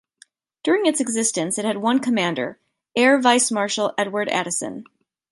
During its existence it had one commander, Air Vice-Marshal Edward Addison.